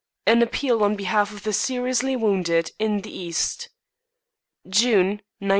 XIII AN APPEAL ON BEHALF OF THE SERIOUSLY WOUNDED IN THE EAST _June, 1915.